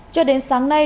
cho đến sáng nay